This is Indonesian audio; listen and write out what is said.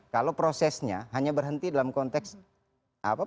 kalau prosesnya hanya berhenti dalam konteks apa